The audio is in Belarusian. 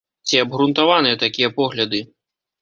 Ці абгрунтаваныя такія погляды?